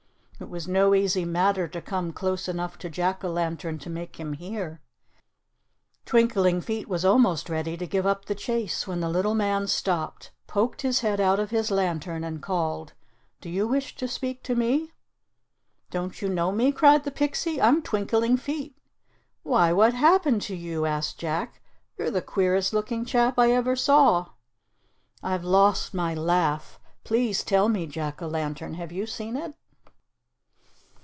It was no easy matter to come close enough to Jack o' Lantern to make him hear. Twinkling Feet was almost ready to give up the chase when the little man stopped, poked his head out of his lantern, and called, "Do you wish to speak to me?" "Don't you know me?" cried the pixie. "I'm Twinkling Feet." "Why, what has happened to you?" asked Jack. "You're the queerest looking chap I ever saw." "I've lost my laugh. Please tell me, Jack o' Lantern, have you seen it?"